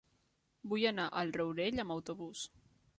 Vull anar al Rourell amb autobús.